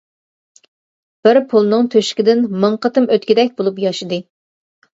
بىر پۇلنىڭ تۆشۈكىدىن مىڭ قېتىم ئۆتكۈدەك بولۇپ ياشىدى.